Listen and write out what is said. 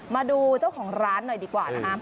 มาดูเจ้าของร้านหน่อยดีกว่านะคะ